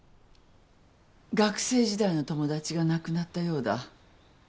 学生時代の友達が亡くなったようだ。